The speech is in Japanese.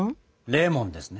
レモンですね。